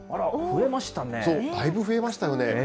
だいぶ増えましたよね。